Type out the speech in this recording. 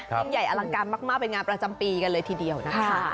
ยิ่งใหญ่อลังการมากเป็นงานประจำปีกันเลยทีเดียวนะคะ